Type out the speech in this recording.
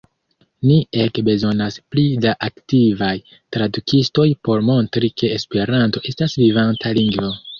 Ni ege bezonas pli da aktivaj tradukistoj por montri ke Esperanto estas vivanta lingvo.